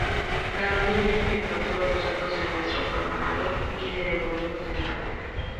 Carolyn le inyectó todos los datos del Maestro Programador y le devolvió los tentáculos.